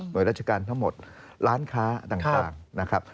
โดยราชการทั้งหมดร้านค้าต่างนะครับ